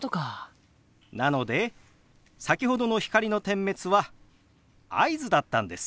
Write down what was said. なので先ほどの光の点滅は合図だったんです。